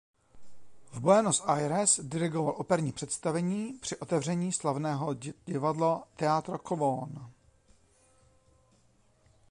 V Buenos Aires dirigoval operní představení při otevření slavného divadla Teatro Colón.